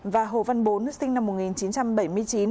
và hồ văn bốn sinh năm một nghìn chín trăm bảy mươi chín